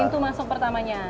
pintu masuk pertamanya